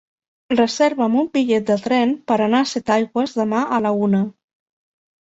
Reserva'm un bitllet de tren per anar a Setaigües demà a la una.